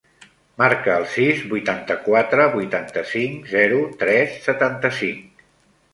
Marca el sis, vuitanta-quatre, vuitanta-cinc, zero, tres, setanta-cinc.